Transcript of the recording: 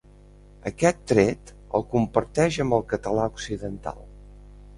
Aquest tret el comparteix amb el català occidental.